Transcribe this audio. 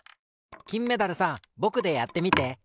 きんメダルさんぼくでやってみて。